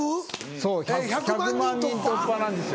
そう１００万人突破なんです。